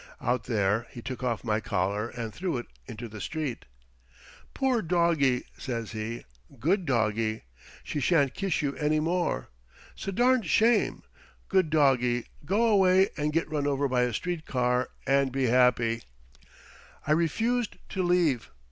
Out there he took off my collar and threw it into the street. "Poor doggie," says he; "good doggie. She shan't kiss you any more. 'S a darned shame. Good doggie, go away and get run over by a street car and be happy." I refused to leave.